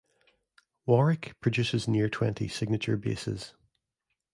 Warwick produces near twenty signature basses.